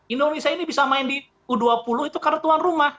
indonesia ini bisa main di u dua puluh itu karena tuan rumah